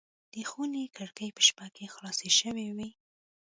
د خونې کړکۍ په شپه کې خلاصه شوې وه.